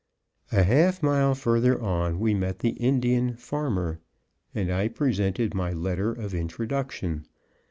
A half mile further on we met the Indian Farmer, and I presented my letter of introduction.